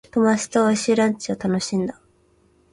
友達と美味しいランチを楽しんだ。